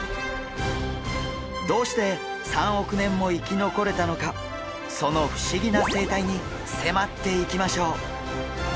どうして３億年も生き残れたのかその不思議な生態に迫っていきましょう。